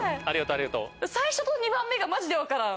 最初と２番目がマジで分からん！